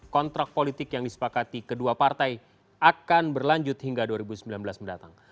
kontrak politik yang disepakati kedua partai akan berlanjut hingga dua ribu sembilan belas mendatang